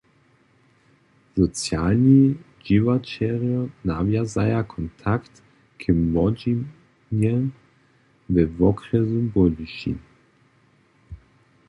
Socialni dźěłaćerjo nawjazaja kontakt k młodźinje we wokrjesu Budyšin.